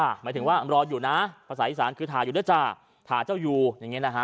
หมายถึงว่ารออยู่นะภาษาอีสานคือถ่ายอยู่ด้วยจ้าทาเจ้าอยู่อย่างเงี้นะฮะ